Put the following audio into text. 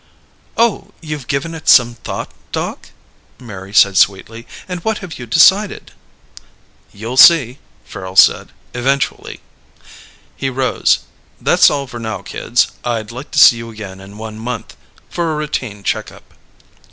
"Oh, you've given it some thought, Doc?" Mary said sweetly. "And what have you decided?" "You'll see," Farrel said. "Eventually." He rose. "That's all for now, kids. I'd like to see you again in one month for a routine check up."